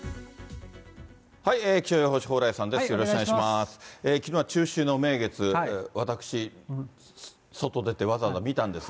気象予報士、蓬莱さんです。